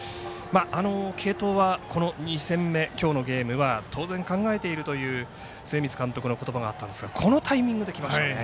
継投は、この２戦目きょうのゲームは当然考えているという末光監督のことばがあったんですがこのタイミングできましたね。